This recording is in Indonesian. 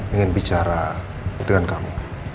ingin bicara dengan kamu